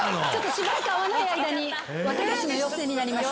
しばらく会わない間に綿菓子の妖精になりました。